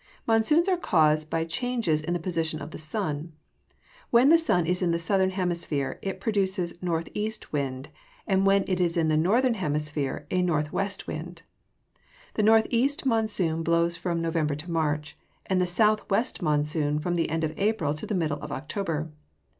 _ Monsoons are caused by changes in the position of the sun. When the sun is in the southern hemisphere, it produces a north east wind, and when it is in the northern hemisphere, a north west wind. The north east monsoon blows from November to March, and the south west monsoon from the end of April to the middle of October.